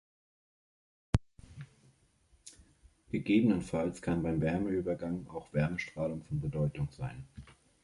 Gegebenenfalls kann beim Wärmeübergang auch Wärmestrahlung von Bedeutung sein.